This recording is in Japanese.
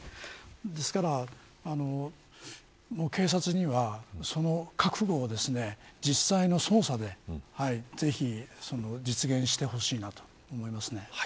ですから警察にはその覚悟を、実際の捜査でぜひ実現してほしいと思います。